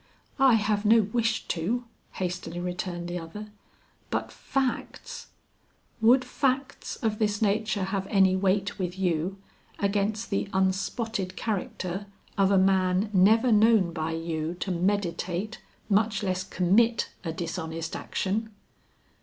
"I have no wish to," hastily returned the other, "but facts " "Would facts of this nature have any weight with you against the unspotted character of a man never known by you to meditate, much less commit a dishonest action?"